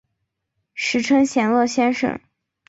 时称闲乐先生。